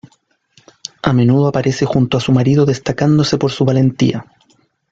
A menudo aparece junto a su marido destacándose por su valentía.